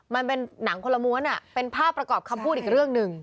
มันเป็นหนังคนละม้วนเป็นภาพประกอบคำพูดอีกเรื่องหนึ่ง